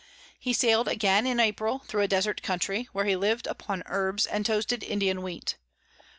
He sail'd again in April thro a desert Country, where he liv'd upon Herbs and toasted Indian Wheat.